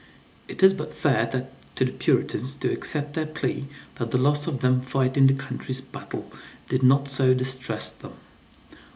It is but fair to the Puritans to accept their plea that the loss of them fighting the country's battles did not so distress them.